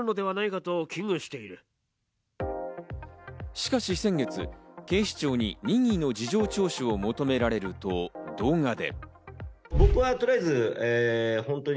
しかし先月、警視庁に任意の事情聴取を求められると動画で。